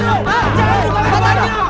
jangan suka ngejualnya